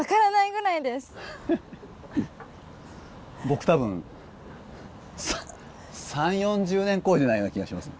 僕多分３０４０年こいでないような気がします。